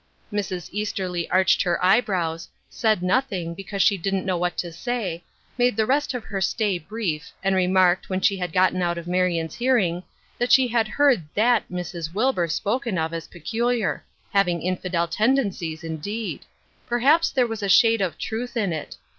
Mrs. Easterly arched her eyebrows ; said noth^ ing, because she didn't know what to say ; madt* the rest of her stay brief, and remarked, when she had gotten out of Marion's hearing, that she had heard that Miss Wilbur spoken of as peculiar — having infidel tendeucies, indeed. Perhaps there was a shade of truth in it.